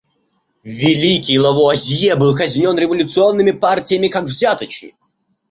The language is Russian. Великий Лавуазье был казнен революционными партиями как взяточник.